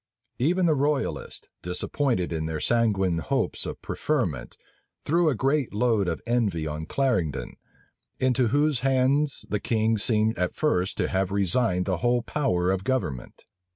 Even the royalists, disappointed in their sanguine hopes of preferment, threw a great load of envy on Clarendon, into whose hands the king seemed at first to have resigned the whole power of government.